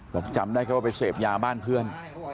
จำได้แค่ว่าไปเสพยาบ้านเพื่อน